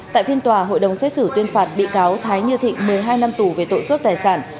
tại phiên tòa hội đồng xét xử tuyên phạt bị cáo thái như thịnh một mươi hai năm tù về tội cướp tài sản